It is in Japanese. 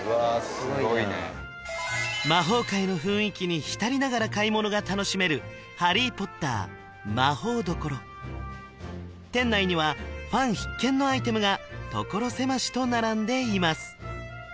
すごいね魔法界の雰囲気にひたりながら買い物が楽しめるハリー・ポッターマホウドコロ店内にはファン必見のアイテムが所狭しと並んでいます